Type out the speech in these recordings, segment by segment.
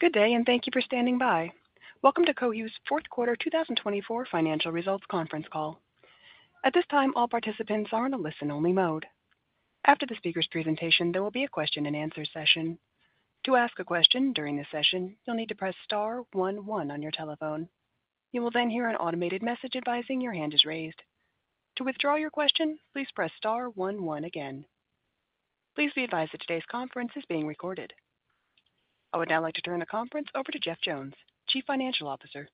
Good day, and thank you for standing by. Welcome to Cohu's fourth quarter 2024 financial results conference call. At this time, all participants are in a listen-only mode. After the speaker's presentation, there will be a question-and-answer session. To ask a question during this session, you'll need to press star one one on your telephone. You will then hear an automated message advising your hand is raised. To withdraw your question, please press star one one again. Please be advised that today's conference is being recorded. I would now like to turn the conference over to Jeff Jones, Chief Financial Officer.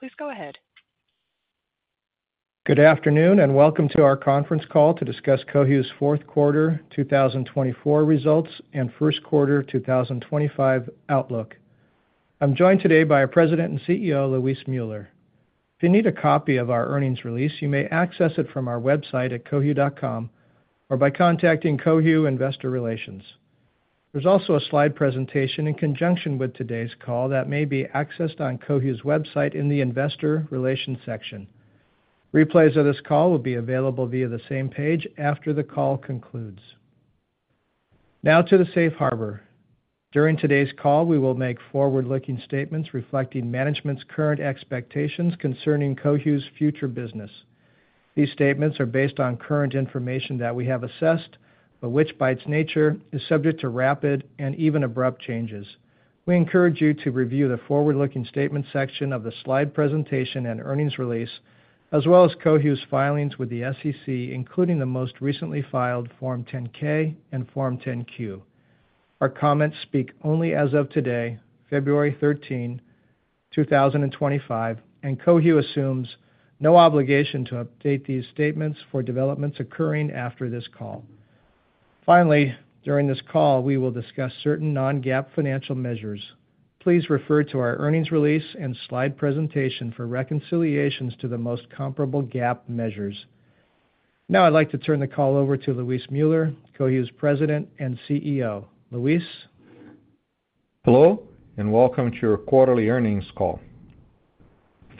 Please go ahead. Good afternoon, and welcome to our conference call to discuss Cohu's fourth quarter 2024 results and first quarter 2025 outlook. I'm joined today by our President and CEO, Luis Müller. If you need a copy of our earnings release, you may access it from our website at cohu.com or by contacting Cohu Investor Relations. There's also a slide presentation in conjunction with today's call that may be accessed on Cohu's website in the Investor Relations section. Replays of this call will be available via the same page after the call concludes. Now to the safe harbor. During today's call, we will make forward-looking statements reflecting management's current expectations concerning Cohu's future business. These statements are based on current information that we have assessed, but which, by its nature, is subject to rapid and even abrupt changes. We encourage you to review the forward-looking statement section of the slide presentation and earnings release, as well as Cohu's filings with the SEC, including the most recently filed Form 10-K and Form 10-Q. Our comments speak only as of today, February 13, 2025, and Cohu assumes no obligation to update these statements for developments occurring after this call. Finally, during this call, we will discuss certain non-GAAP financial measures. Please refer to our earnings release and slide presentation for reconciliations to the most comparable GAAP measures. Now I'd like to turn the call over to Luis Müller, Cohu's President and CEO. Luis? Hello, and welcome to our quarterly earnings call.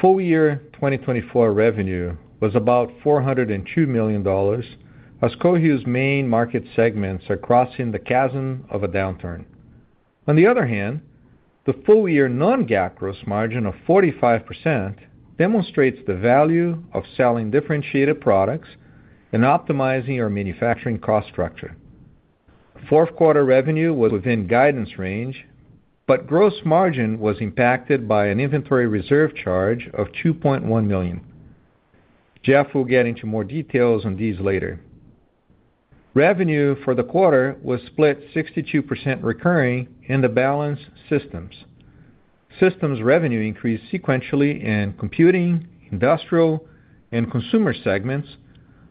Full year 2024 revenue was about $402 million, as Cohu's main market segments are crossing the chasm of a downturn. On the other hand, the full year non-GAAP gross margin of 45% demonstrates the value of selling differentiated products and optimizing our manufacturing cost structure. Fourth quarter revenue was within guidance range, but gross margin was impacted by an inventory reserve charge of $2.1 million. Jeff will get into more details on these later. Revenue for the quarter was split 62% recurring in the balance systems. Systems revenue increased sequentially in computing, industrial, and consumer segments,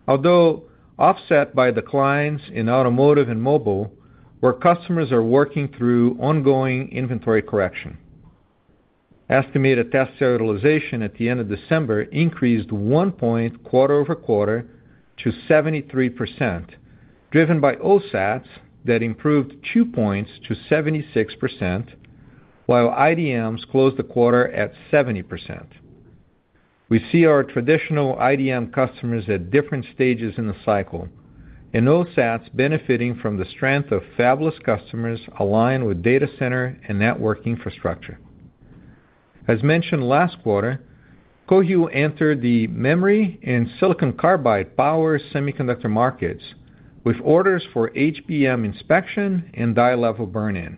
although offset by declines in automotive and mobile, where customers are working through ongoing inventory correction. Estimated test cell utilization at the end of December increased one point quarter over quarter to 73%, driven by OSATs that improved two points to 76%, while IDMs closed the quarter at 70%. We see our traditional IDM customers at different stages in the cycle, and OSATs benefiting from the strength of fabless customers aligned with data center and network infrastructure. As mentioned last quarter, Cohu entered the memory and silicon carbide power semiconductor markets with orders for HBM inspection and die level burn-in.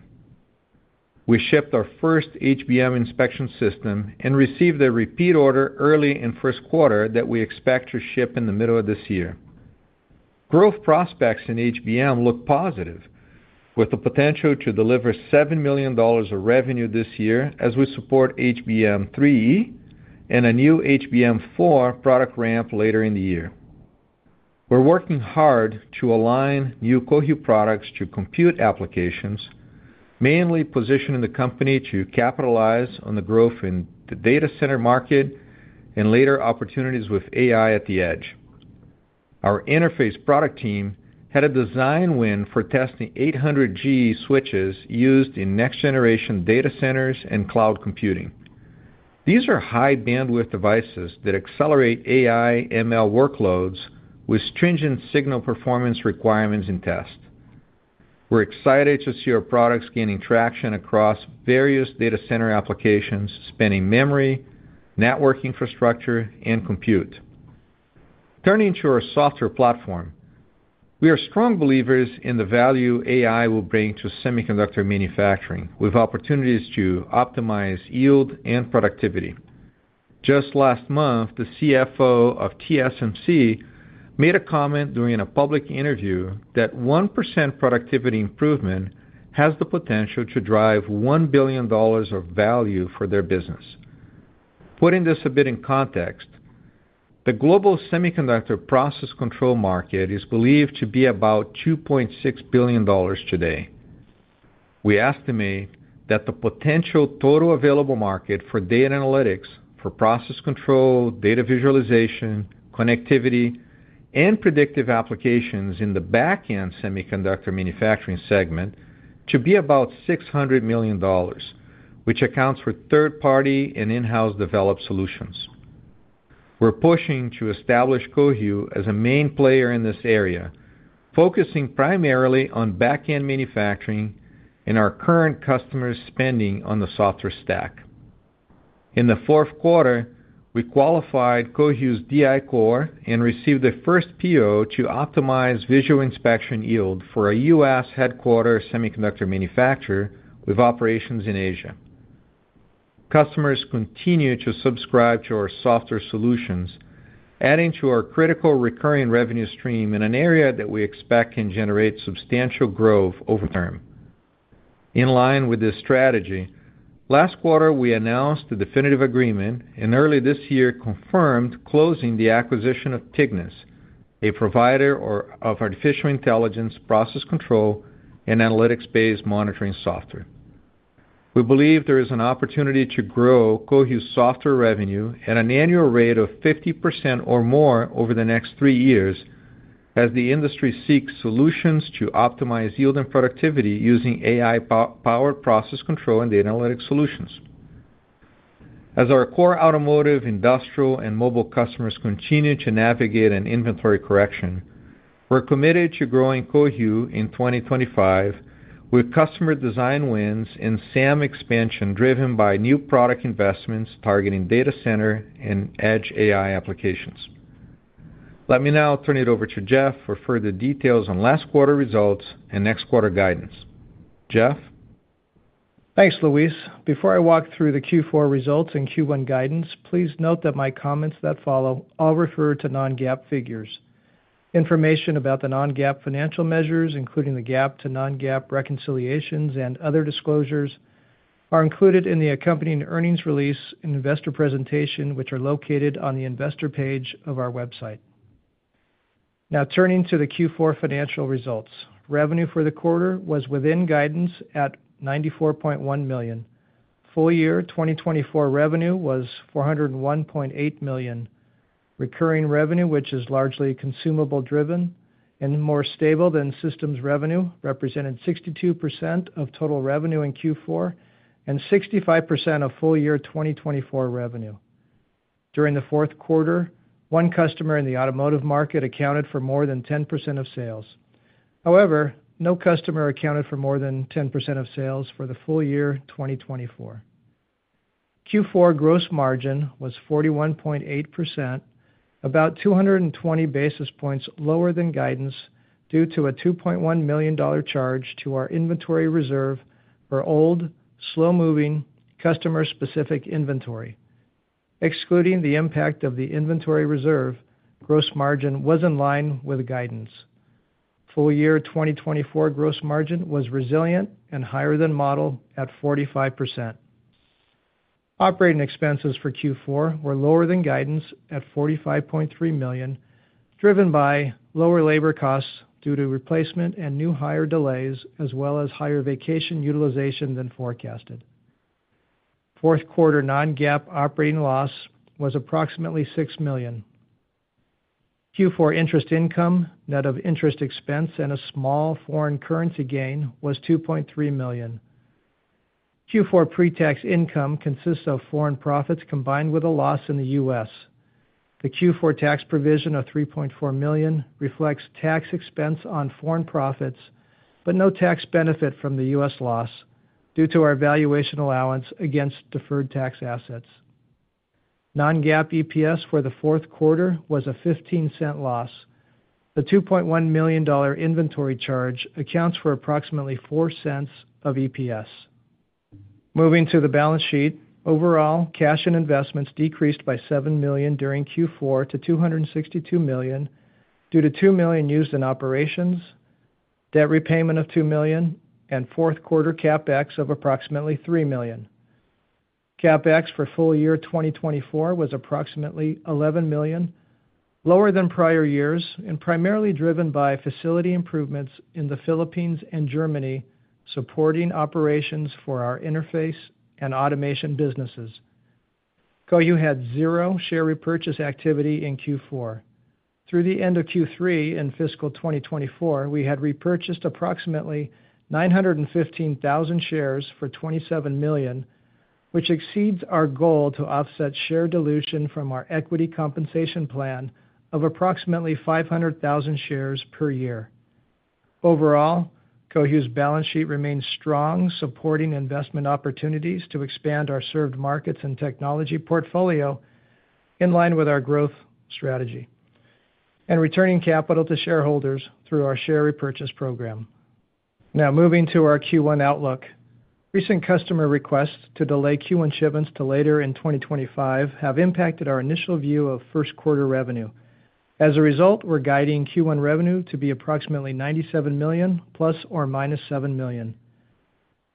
We shipped our first HBM inspection system and received a repeat order early in first quarter that we expect to ship in the middle of this year. Growth prospects in HBM look positive, with the potential to deliver $7 million of revenue this year as we support HBM3E and a new HBM4 product ramp later in the year. We're working hard to align new Cohu products to compute applications, mainly positioning the company to capitalize on the growth in the data center market and later opportunities with AI at the edge. Our interface product team had a design win for testing 800G switches used in next-generation data centers and cloud computing. These are high-bandwidth devices that accelerate AI/ML workloads with stringent signal performance requirements in test. We're excited to see our products gaining traction across various data center applications, spanning memory, network infrastructure, and compute. Turning to our software platform, we are strong believers in the value AI will bring to semiconductor manufacturing, with opportunities to optimize yield and productivity. Just last month, the CFO of TSMC made a comment during a public interview that 1% productivity improvement has the potential to drive $1 billion of value for their business. Putting this a bit in context, the global semiconductor process control market is believed to be about $2.6 billion today. We estimate that the potential total available market for data analytics for process control, data visualization, connectivity, and predictive applications in the back-end semiconductor manufacturing segment to be about $600 million, which accounts for third-party and in-house developed solutions. We're pushing to establish Cohu as a main player in this area, focusing primarily on back-end manufacturing and our current customers' spending on the software stack. In the fourth quarter, we qualified Cohu's DI-Core and received the first PO to optimize visual inspection yield for a U.S. headquartered semiconductor manufacturer with operations in Asia. Customers continue to subscribe to our software solutions, adding to our critical recurring revenue stream in an area that we expect can generate substantial growth over term. In line with this strategy, last quarter we announced the definitive agreement and early this year confirmed closing the acquisition of Tignis, a provider of artificial intelligence process control and analytics-based monitoring software. We believe there is an opportunity to grow Cohu's software revenue at an annual rate of 50% or more over the next three years as the industry seeks solutions to optimize yield and productivity using AI-powered process control and data analytics solutions. As our core automotive, industrial, and mobile customers continue to navigate an inventory correction, we're committed to growing Cohu in 2025 with customer design wins and SAM expansion driven by new product investments targeting data center and edge AI applications. Let me now turn it over to Jeff for further details on last quarter results and next quarter guidance. Jeff? Thanks, Luis. Before I walk through the Q4 results and Q1 guidance, please note that my comments that follow all refer to non-GAAP figures. Information about the non-GAAP financial measures, including the GAAP to non-GAAP reconciliations and other disclosures, are included in the accompanying earnings release and investor presentation, which are located on the investor page of our website. Now turning to the Q4 financial results, revenue for the quarter was within guidance at $94.1 million. Full year 2024 revenue was $401.8 million. Recurring revenue, which is largely consumable-driven and more stable than systems revenue, represented 62% of total revenue in Q4 and 65% of full year 2024 revenue. During the fourth quarter, one customer in the automotive market accounted for more than 10% of sales. However, no customer accounted for more than 10% of sales for the full year 2024. Q4 gross margin was 41.8%, about 220 basis points lower than guidance due to a $2.1 million charge to our inventory reserve for old, slow-moving, customer-specific inventory. Excluding the impact of the inventory reserve, gross margin was in line with guidance. Full year 2024 gross margin was resilient and higher than model at 45%. Operating expenses for Q4 were lower than guidance at $45.3 million, driven by lower labor costs due to replacement and new hire delays, as well as higher vacation utilization than forecasted. Fourth quarter non-GAAP operating loss was approximately $6 million. Q4 interest income, net of interest expense, and a small foreign currency gain was $2.3 million. Q4 pre-tax income consists of foreign profits combined with a loss in the U.S. The Q4 tax provision of $3.4 million reflects tax expense on foreign profits, but no tax benefit from the U.S. loss due to our valuation allowance against deferred tax assets. Non-GAAP EPS for the fourth quarter was a $0.15 loss. The $2.1 million inventory charge accounts for approximately $0.04 of EPS. Moving to the balance sheet, overall cash and investments decreased by $7 million during Q4 to $262 million due to $2 million used in operations, debt repayment of $2 million, and fourth quarter CapEx of approximately $3 million. CapEx for full year 2024 was approximately $11 million, lower than prior years and primarily driven by facility improvements in the Philippines and Germany supporting operations for our interface and automation businesses. Cohu had zero share repurchase activity in Q4. Through the end of Q3 in fiscal 2024, we had repurchased approximately 915,000 shares for $27 million, which exceeds our goal to offset share dilution from our equity compensation plan of approximately 500,000 shares per year. Overall, Cohu's balance sheet remains strong, supporting investment opportunities to expand our served markets and technology portfolio in line with our growth strategy and returning capital to shareholders through our share repurchase program. Now moving to our Q1 outlook. Recent customer requests to delay Q1 shipments to later in 2025 have impacted our initial view of first quarter revenue. As a result, we're guiding Q1 revenue to be approximately $97 million, ±$7 million.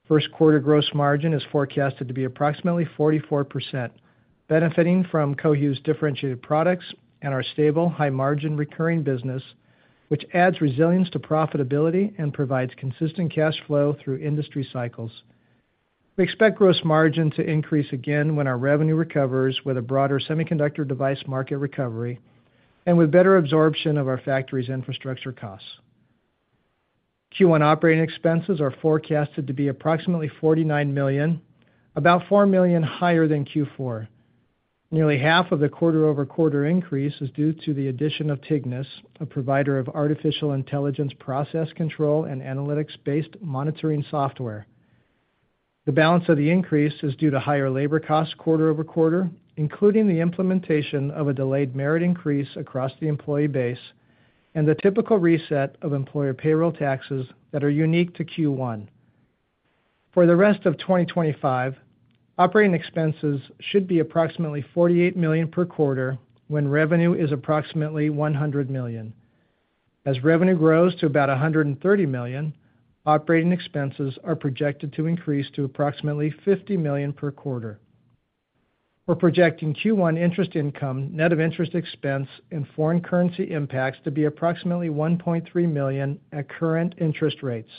First quarter gross margin is forecasted to be approximately 44%, benefiting from Cohu's differentiated products and our stable, high-margin recurring business, which adds resilience to profitability and provides consistent cash flow through industry cycles. We expect gross margin to increase again when our revenue recovers with a broader semiconductor device market recovery and with better absorption of our factory's infrastructure costs. Q1 operating expenses are forecasted to be approximately $49 million, about $4 million higher than Q4. Nearly half of the quarter-over-quarter increase is due to the addition of Tignis, a provider of artificial intelligence process control and analytics-based monitoring software. The balance of the increase is due to higher labor costs quarter-over-quarter, including the implementation of a delayed merit increase across the employee base and the typical reset of employer payroll taxes that are unique to Q1. For the rest of 2025, operating expenses should be approximately $48 million per quarter when revenue is approximately $100 million. As revenue grows to about $130 million, operating expenses are projected to increase to approximately $50 million per quarter. We're projecting Q1 interest income, net of interest expense, and foreign currency impacts to be approximately $1.3 million at current interest rates.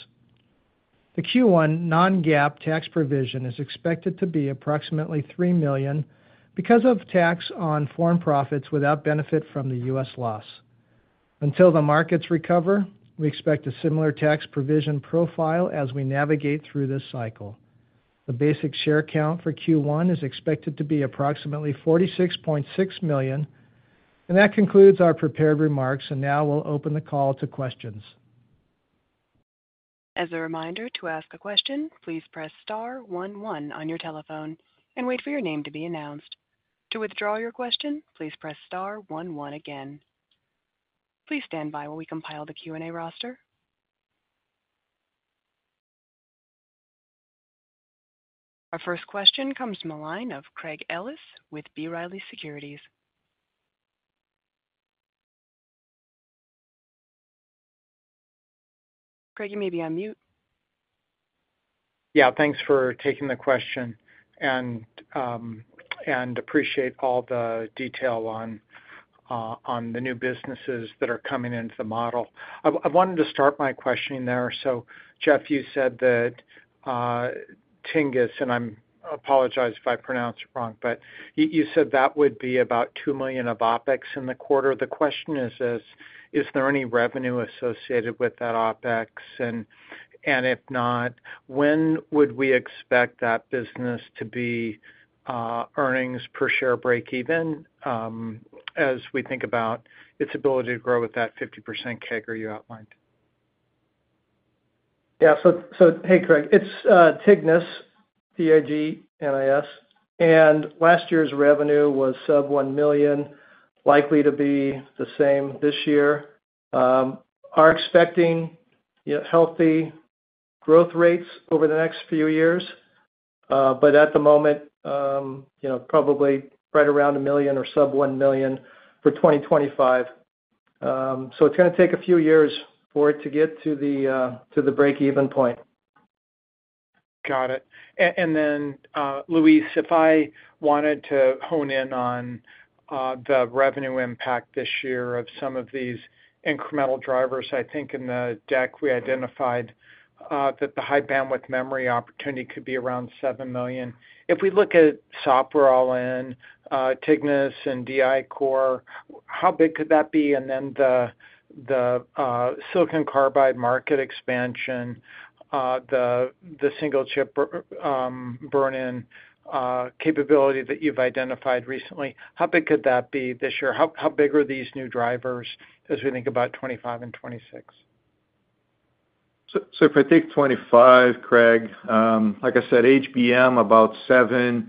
The Q1 non-GAAP tax provision is expected to be approximately $3 million because of tax on foreign profits without benefit from the U.S. loss. Until the markets recover, we expect a similar tax provision profile as we navigate through this cycle. The basic share count for Q1 is expected to be approximately 46.6 million. And that concludes our prepared remarks, and now we'll open the call to questions. As a reminder, to ask a question, please press star one one on your telephone and wait for your name to be announced. To withdraw your question, please press star one one again. Please stand by while we compile the Q&A roster. Our first question comes from a line of Craig Ellis with B. Riley Securities. Craig, you may be on mute. Yeah, thanks for taking the question and appreciate all the detail on the new businesses that are coming into the model. I wanted to start my questioning there. So, Jeff, you said that Tignis, and I apologize if I pronounced it wrong, but you said that would be about $2 million of OpEx in the quarter. The question is, is there any revenue associated with that OpEx? And if not, when would we expect that business to be earnings per share breakeven as we think about its ability to grow with that 50% CAGR you outlined? Yeah. So, hey, Craig, it's Tignis, T-I-G-N-I-S. And last year's revenue was sub $1 million, likely to be the same this year. We're expecting healthy growth rates over the next few years, but at the moment, probably right around a million or sub $1 million for 2025. So it's going to take a few years for it to get to the breakeven point. Got it. Then, Luis, if I wanted to hone in on the revenue impact this year of some of these incremental drivers, I think in the deck we identified that the high bandwidth memory opportunity could be around $7 million. If we look at software all in, Tignis and DI-Core, how big could that be? Then the silicon carbide market expansion, the single chip burn-in capability that you've identified recently, how big could that be this year? How big are these new drivers as we think about 2025 and 2026? So if I take 2025, Craig, like I said, HBM about $7,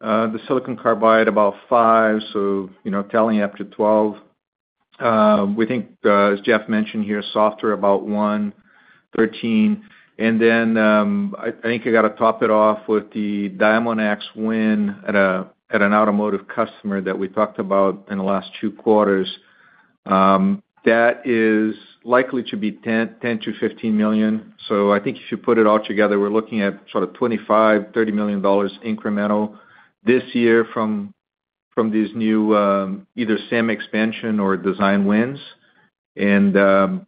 the silicon carbide about $5, so tallying up to $12. We think, as Jeff mentioned here, software about $1, $13. And then I think I got to top it off with the Diamondx win at an automotive customer that we talked about in the last two quarters. That is likely to be $10 million-$15 million. So I think if you put it all together, we're looking at sort of $25 million-$30 million incremental this year from these new either SAM expansion or design wins. And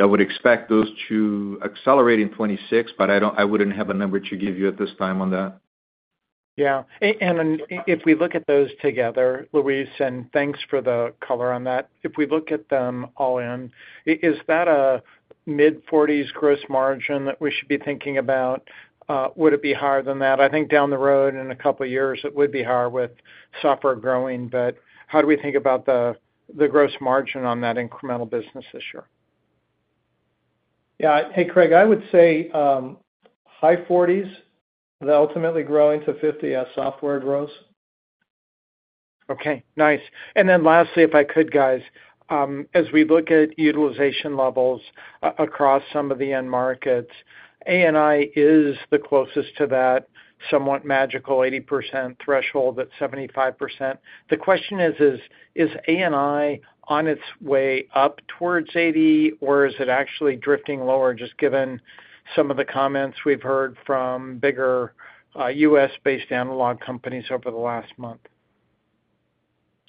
I would expect those to accelerate in 2026, but I wouldn't have a number to give you at this time on that. Yeah. And if we look at those together, Luis, and thanks for the color on that, if we look at them all in, is that a mid-$40 millions gross margin that we should be thinking about? Would it be higher than that? I think down the road in a couple of years, it would be higher with software growing, but how do we think about the gross margin on that incremental business this year? Yeah. Hey, Craig, I would say high $40 milllions, then ultimately growing to $50 million as software grows. Okay. Nice. And then lastly, if I could, guys, as we look at utilization levels across some of the end markets, ANI is the closest to that somewhat magical 80% threshold at 75%. The question is, is ANI on its way up towards 80, or is it actually drifting lower just given some of the comments we've heard from bigger U.S.-based analog companies over the last month?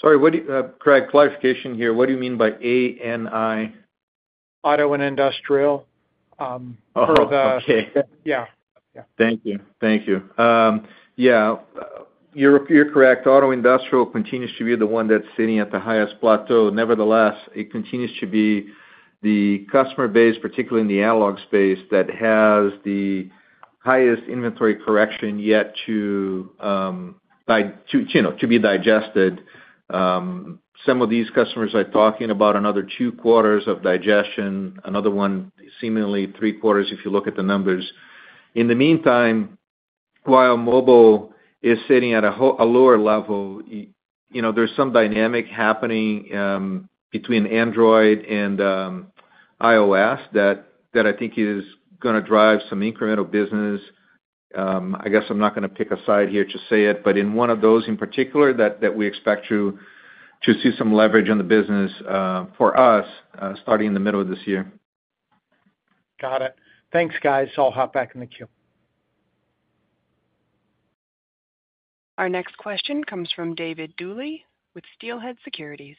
Sorry, Craig, clarification here. What do you mean by ANI? Auto and industrial for the. Oh, okay. Yeah. Thank you. Thank you. Yeah. You're correct. Auto industrial continues to be the one that's sitting at the highest plateau. Nevertheless, it continues to be the customer base, particularly in the analog space, that has the highest inventory correction yet to be digested. Some of these customers are talking about another two quarters of digestion, another one seemingly three quarters if you look at the numbers. In the meantime, while mobile is sitting at a lower level, there's some dynamic happening between Android and iOS that I think is going to drive some incremental business. I guess I'm not going to pick a side here to say it, but in one of those in particular that we expect to see some leverage on the business for us starting in the middle of this year. Got it. Thanks, guys. I'll hop back in the queue. Our next question comes from David Duley with Steelhead Securities.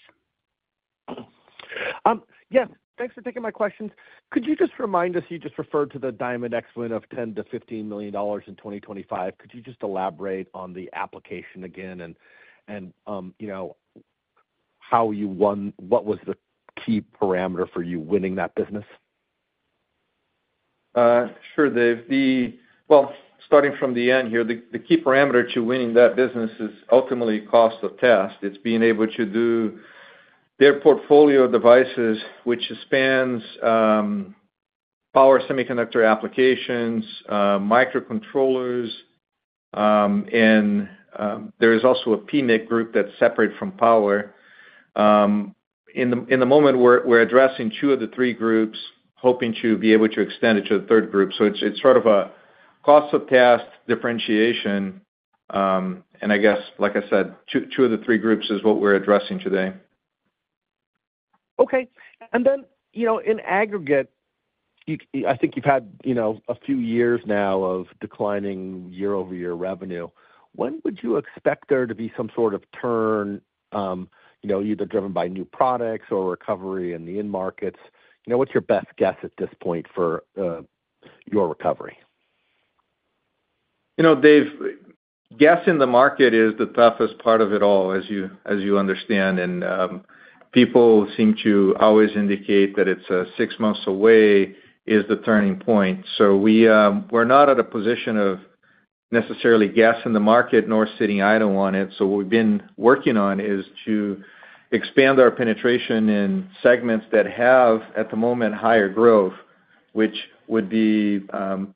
Yes. Thanks for taking my questions. Could you just remind us you just referred to the Diamondx win of $10 million-$15 million in 2025? Could you just elaborate on the application again and how you won? What was the key parameter for you winning that business? Sure. Well, starting from the end here, the key parameter to winning that business is ultimately cost of test. It's being able to do their portfolio of devices, which spans power semiconductor applications, microcontrollers, and there is also a PMIC group that's separate from power. In the moment, we're addressing two of the three groups, hoping to be able to extend it to the third group. So it's sort of a cost of test differentiation. And I guess, like I said, two of the three groups is what we're addressing today. Okay. And then in aggregate, I think you've had a few years now of declining year-over-year revenue. When would you expect there to be some sort of turn, either driven by new products or recovery in the end markets? What's your best guess at this point for your recovery? Guessing the market is the toughest part of it all, as you understand, and people seem to always indicate that it's six months away is the turning point, so we're not at a position of necessarily guessing the market nor sitting idle on it, so what we've been working on is to expand our penetration in segments that have, at the moment, higher growth, which would be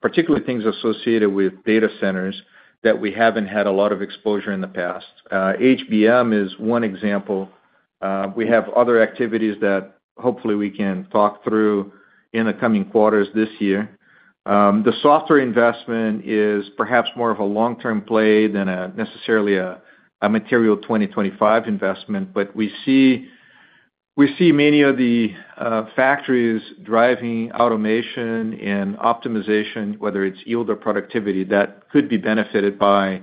particularly things associated with data centers that we haven't had a lot of exposure in the past. HBM is one example. We have other activities that hopefully we can talk through in the coming quarters this year. The software investment is perhaps more of a long-term play than necessarily a material 2025 investment, but we see many of the factories driving automation and optimization, whether it's yield or productivity, that could be benefited by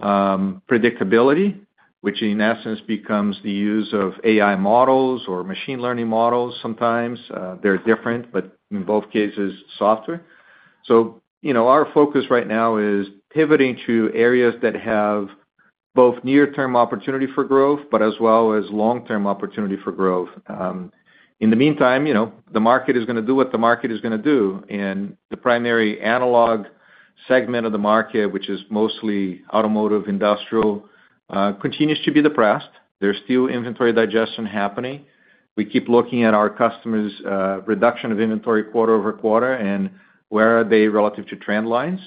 predictability, which in essence becomes the use of AI models or machine learning models sometimes. They're different, but in both cases, software. So our focus right now is pivoting to areas that have both near-term opportunity for growth, but as well as long-term opportunity for growth. In the meantime, the market is going to do what the market is going to do. And the primary analog segment of the market, which is mostly automotive industrial, continues to be depressed. There's still inventory digestion happening. We keep looking at our customers' reduction of inventory quarter over quarter and where are they relative to trend lines.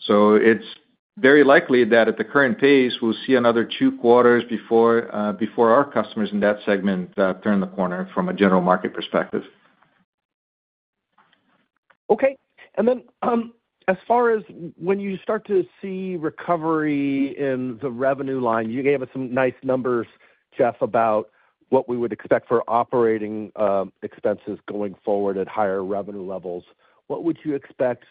So it's very likely that at the current pace, we'll see another two quarters before our customers in that segment turn the corner from a general market perspective. Okay. And then as far as when you start to see recovery in the revenue line, you gave us some nice numbers, Jeff, about what we would expect for operating expenses going forward at higher revenue levels. What would you expect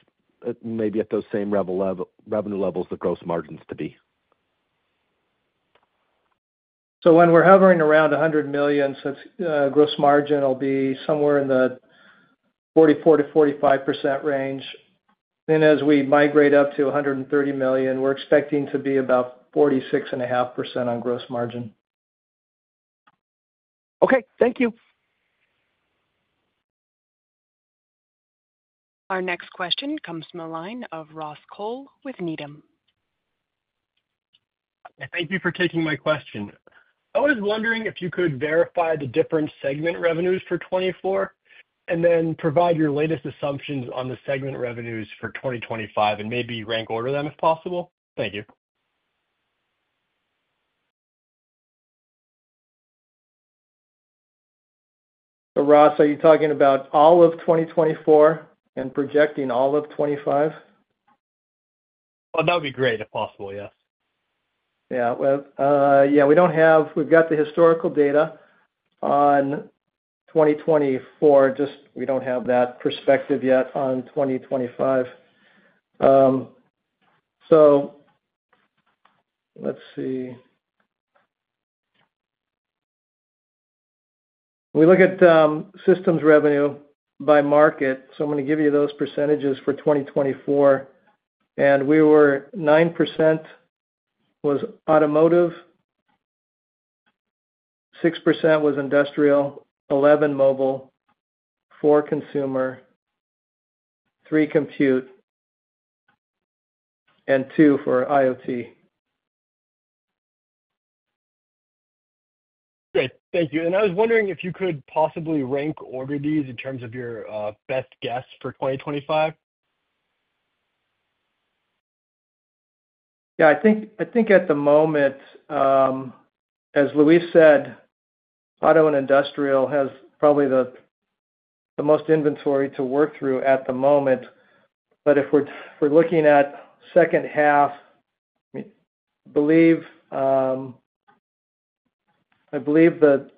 maybe at those same revenue levels the gross margins to be? So when we're hovering around $100 million, gross margin will be somewhere in the 44%-45% range. Then as we migrate up to $130 million, we're expecting to be about 46.5% on gross margin. Okay. Thank you. Our next question comes from a line of Ross Cole with Needham. Thank you for taking my question. I was wondering if you could verify the different segment revenues for 2024 and then provide your latest assumptions on the segment revenues for 2025 and maybe rank order them if possible? Thank you. So Ross, are you talking about all of 2024 and projecting all of 2025? That would be great if possible, yes. Yeah. Well, yeah, we don't have. We've got the historical data on 2024. Just we don't have that perspective yet on 2025, so let's see. We look at systems revenue by market. So I'm going to give you those percentages for 2024, and we were 9% was automotive, 6% was industrial, 11% mobile, 4% consumer, 3% compute, and 2% for IoT. Okay. Thank you. And I was wondering if you could possibly rank order these in terms of your best guess for 2025? Yeah. I think at the moment, as Luis said, auto and industrial has probably the most inventory to work through at the moment. But if we're looking at second half, I believe the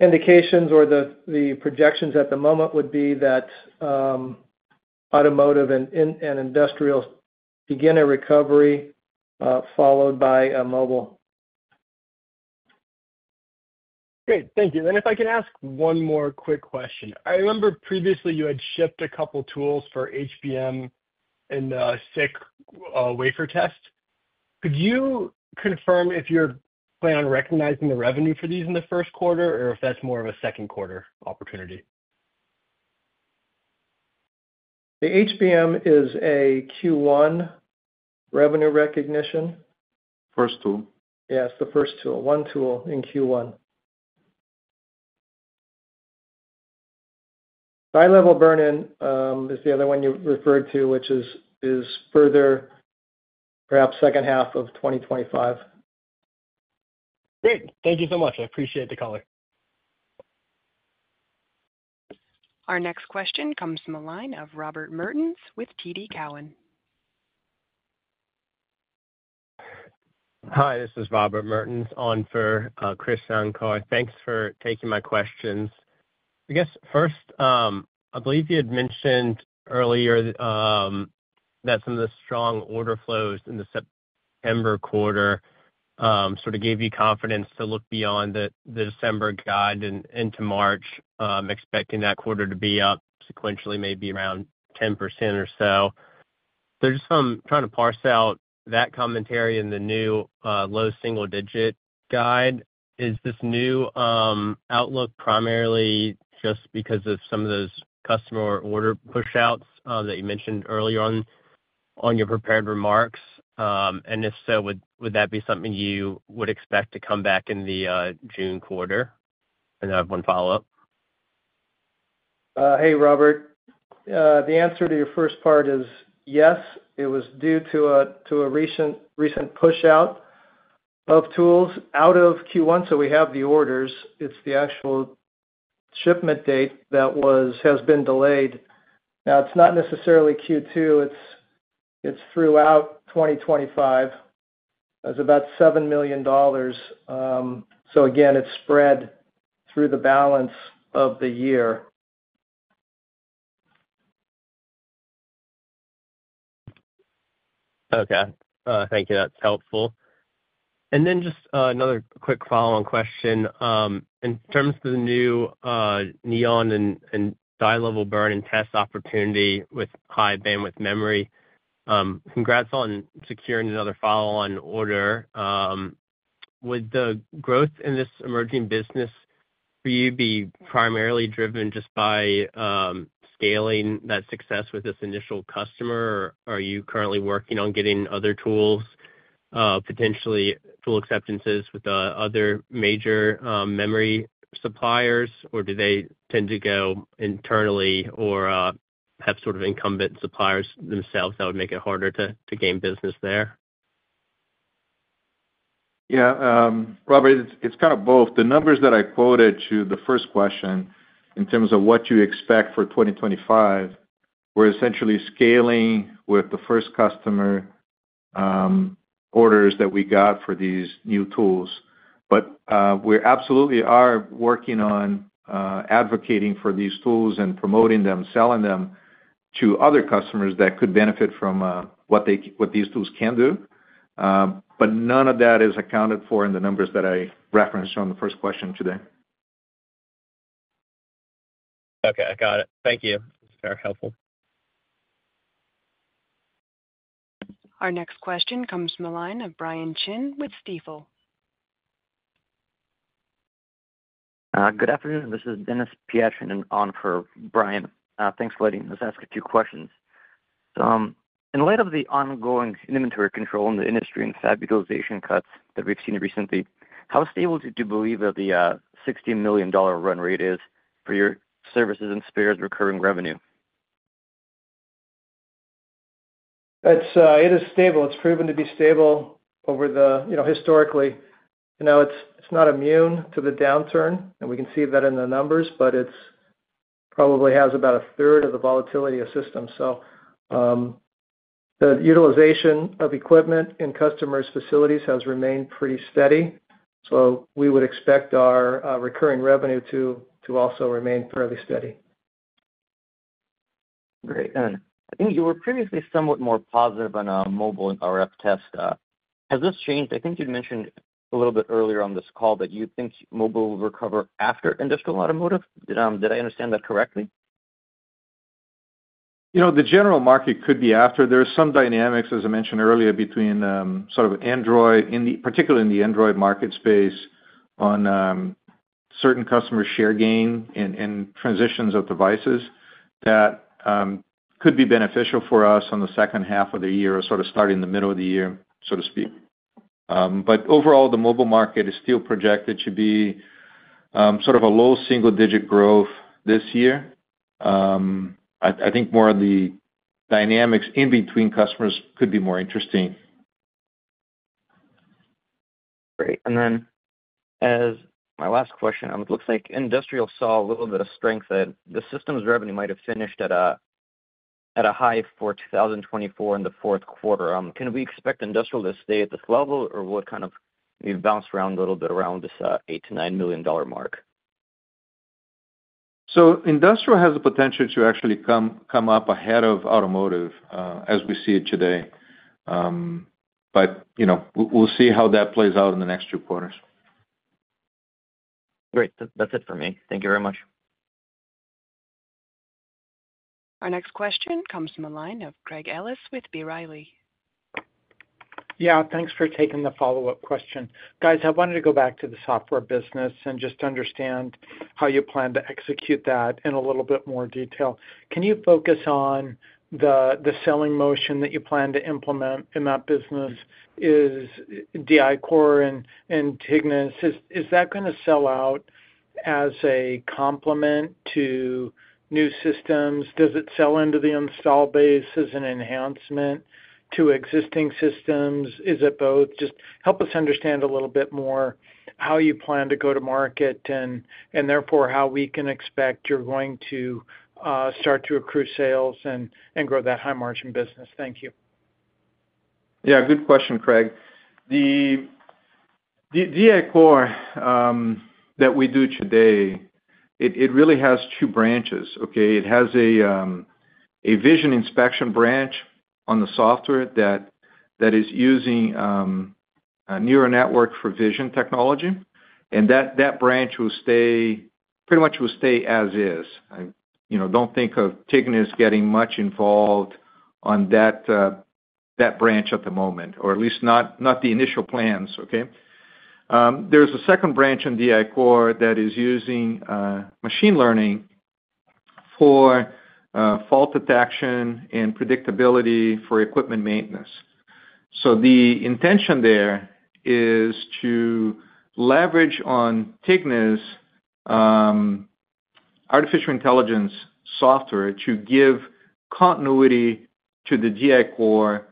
indications or the projections at the moment would be that automotive and industrial begin a recovery followed by mobile. Great. Thank you. And if I can ask one more quick question. I remember previously you had shipped a couple of tools for HBM and SiC wafer test. Could you confirm if you're planning on recognizing the revenue for these in the first quarter or if that's more of a second quarter opportunity? The HBM is a Q1 revenue recognition. First tool. Yes, the first tool, one tool in Q1. Die-level burn-in is the other one you referred to, which is further, perhaps, second half of 2025. Great. Thank you so much. I appreciate the color. Our next question comes from a line of Robert Mertens with TD Cowen. Hi, this is Robert Mertens on for Krish Sankar. Thanks for taking my questions. I guess first, I believe you had mentioned earlier that some of the strong order flows in the September quarter sort of gave you confidence to look beyond the December guide into March, expecting that quarter to be up sequentially maybe around 10% or so. There's some trying to parse out that commentary in the new low single-digit guide. Is this new outlook primarily just because of some of those customer order push-outs that you mentioned earlier on your prepared remarks? And if so, would that be something you would expect to come back in the June quarter? And I have one follow-up. Hey, Robert. The answer to your first part is yes. It was due to a recent push-out of tools out of Q1. So we have the orders. It's the actual shipment date that has been delayed. Now, it's not necessarily Q2. It's throughout 2025. It's about $7 million. So again, it's spread through the balance of the year. Okay. Thank you. That's helpful. And then just another quick follow-on question. In terms of the new Neon and high-level burn-in test opportunity with High Bandwidth Memory, congrats on securing another follow-on order. Would the growth in this emerging business for you be primarily driven just by scaling that success with this initial customer, or are you currently working on getting other tools, potentially tool acceptances with other major memory suppliers, or do they tend to go internally or have sort of incumbent suppliers themselves that would make it harder to gain business there? Yeah. Robert, it's kind of both. The numbers that I quoted to the first question in terms of what you expect for 2025, we're essentially scaling with the first customer orders that we got for these new tools. But we absolutely are working on advocating for these tools and promoting them, selling them to other customers that could benefit from what these tools can do. But none of that is accounted for in the numbers that I referenced on the first question today. Okay. I got it. Thank you. It's very helpful. Our next question comes from a line of Brian Chin with Stifel. Good afternoon. This is Denis Pyatchanin on for Brian, thanks for letting us ask a few questions. So in light of the ongoing inventory control in the industry and fab utilization cuts that we've seen recently, how stable do you believe that the $60 million run rate is for your services and spares recurring revenue? It is stable. It's proven to be stable historically. It's not immune to the downturn, and we can see that in the numbers, but it probably has about a third of the volatility of systems, so the utilization of equipment in customers' facilities has remained pretty steady, so we would expect our recurring revenue to also remain fairly steady. Great. And I think you were previously somewhat more positive on a mobile RF test. Has this changed? I think you'd mentioned a little bit earlier on this call that you think mobile will recover after industrial automotive. Did I understand that correctly? The general market could be after. There are some dynamics, as I mentioned earlier, between sort of Android, particularly in the Android market space, on certain customer share gain and transitions of devices that could be beneficial for us on the second half of the year or sort of starting the middle of the year, so to speak, but overall, the mobile market is still projected to be sort of a low single-digit growth this year. I think more of the dynamics in between customers could be more interesting. Great. And then as my last question, it looks like industrial saw a little bit of strength, that the systems revenue might have finished at a high for 2024 in the fourth quarter. Can we expect industrial to stay at this level, or will it kind of maybe bounce around a little bit around this $8 million-$9 million mark? Industrial has the potential to actually come up ahead of automotive as we see it today. We'll see how that plays out in the next two quarters. Great. That's it for me. Thank you very much. Our next question comes from a line of Craig Ellis with B. Riley Securities. Yeah. Thanks for taking the follow-up question. Guys, I wanted to go back to the software business and just understand how you plan to execute that in a little bit more detail. Can you focus on the selling motion that you plan to implement in that business? Is DI-Core and Tignis, is that going to sell out as a complement to new systems? Does it sell into the install base as an enhancement to existing systems? Is it both? Just help us understand a little bit more how you plan to go to market and therefore how we can expect you're going to start to accrue sales and grow that high-margin business. Thank you. Yeah. Good question, Craig. The DI-Core that we do today, it really has two branches, okay? It has a vision inspection branch on the software that is using neural network for vision technology. And that branch will stay pretty much as is. I don't think of Tignis getting much involved on that branch at the moment, or at least not the initial plans, okay? There's a second branch in DI-Core that is using machine learning for fault detection and predictability for equipment maintenance. So the intention there is to leverage on Tignis artificial intelligence software to give continuity to the DI-Core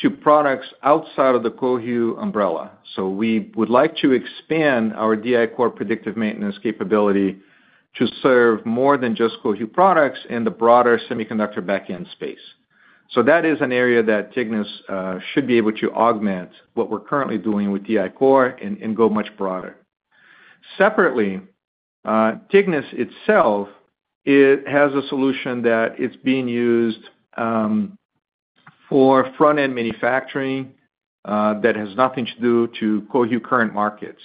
to products outside of the Cohu umbrella. So we would like to expand our DI-Core predictive maintenance capability to serve more than just Cohu products in the broader semiconductor back-end space. That is an area that Tignis should be able to augment what we're currently doing with DI-Core and go much broader. Separately, Tignis itself has a solution that is being used for front-end manufacturing that has nothing to do with Cohu's current markets.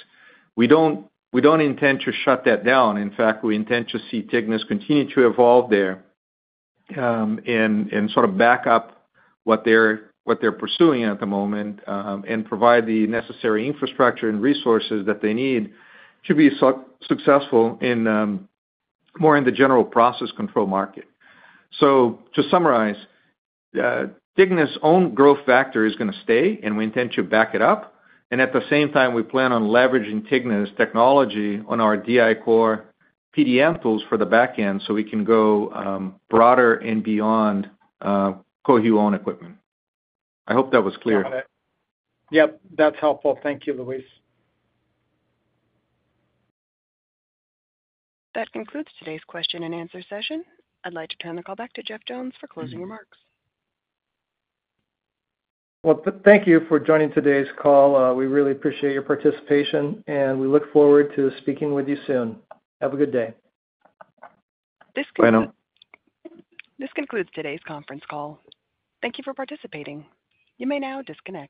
We don't intend to shut that down. In fact, we intend to see Tignis continue to evolve there and sort of back up what they're pursuing at the moment and provide the necessary infrastructure and resources that they need to be successful in more in the general process control market. To summarize, Tignis' own growth factor is going to stay, and we intend to back it up. And at the same time, we plan on leveraging Tignis technology on our DI-Core PDM tools for the backend so we can go broader and beyond Cohu-owned equipment. I hope that was clear. Got it. Yep. That's helpful. Thank you, Luis. That concludes today's question and answer session. I'd like to turn the call back to Jeff Jones for closing remarks. Thank you for joining today's call. We really appreciate your participation, and we look forward to speaking with you soon. Have a good day. This concludes today's conference call. Thank you for participating. You may now disconnect.